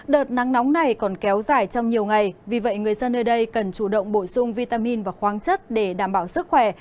đợt nắng nóng này còn kéo dài trong nhiều ngày vì vậy người dân nơi đây cần chủ động bổ sung vitamin và khoáng chất để đảm bảo sức khỏe